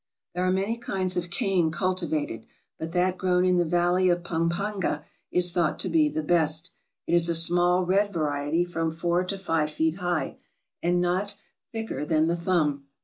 There are many kinds of cane cultivated, but that grown in the valley of Pampanga is thought to be the best. It is a small, red variety, from four to five feet high, and not thicker than the thumb.